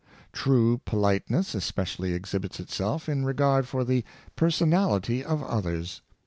True politeness especially exhibits itself in regard for the personality of others.